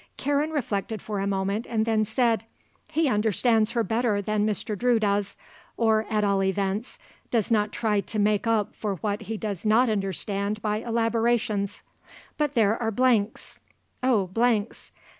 Karen reflected for a moment and then said; "He understands her better than Mr. Drew does, or, at all events, does not try to make up for what he does not understand by elaborations. But there are blanks! oh blanks!